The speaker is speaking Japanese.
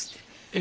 え！